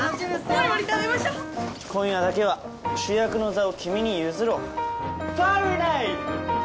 モリモリ食べましょう今夜だけは主役の座を君に譲ろうパーティーナイト！